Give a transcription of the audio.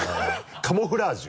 カムフラージュ。